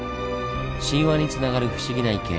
神話につながる不思議な池。